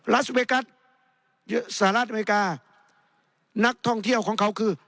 ัสเวกัสสหรัฐอเมริกานักท่องเที่ยวของเขาคือ